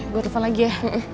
gua telepon lagi ya